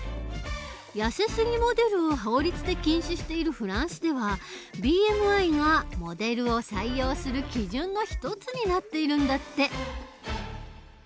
やせすぎモデルを法律で禁止しているフランスではＢＭＩがモデルを採用する基準の一つになっているんだって。